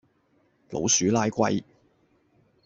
老鼠拉龜